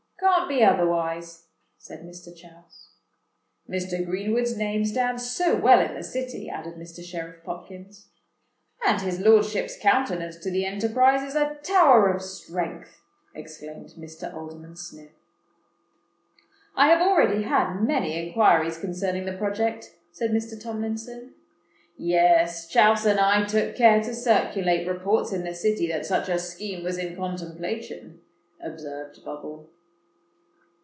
"Can't be otherwise," said Mr. Chouse. "Mr. Greenwood's name stands so well in the City," added Mr. Sheriff Popkins. "And his lordship's countenance to the enterprise is a tower of strength," exclaimed Mr. Alderman Sniff. "I have already had many inquiries concerning the project," said Mr. Tomlinson. "Yes—Chouse and I took care to circulate reports in the City that such a scheme was in contemplation," observed Bubble.